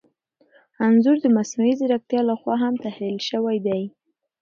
انځور د مصنوعي ځیرکتیا لخوا هم تحلیل شوی دی.